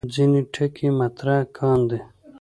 ځینې ټکي مطرح کاندي.